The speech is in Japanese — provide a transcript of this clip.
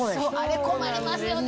あれ困りますよね。